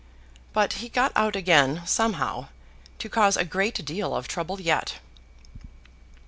But he got out again, somehow, to cause a great deal of trouble yet.